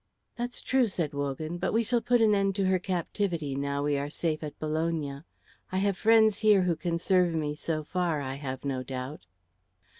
"That's true," said Wogan; "but we shall put an end to her captivity, now we are safe at Bologna. I have friends here who can serve me so far, I have no doubt."